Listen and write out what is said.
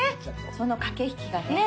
その駆け引きがね。ね！